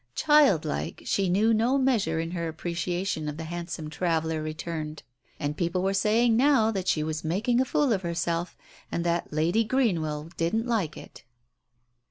Child like, she knew no measure in her appreciation of the handsome traveller returned, and people were saying now that she was making a fool of herself, and that Lady Greenwell didn't like it.